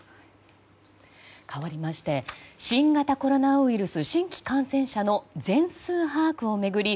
かわりまして新型コロナウイルス新規感染者の全数把握を巡り